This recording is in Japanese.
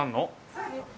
そうです。